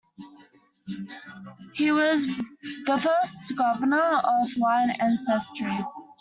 He was the first governor of Hawaiian ancestry.